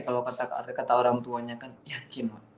kalau kata orang tuanya kan yakin